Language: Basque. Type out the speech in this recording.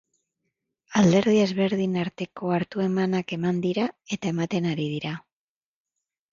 Alderdi ezberdinen arteko hartu-emanak eman dira eta ematen ari dira.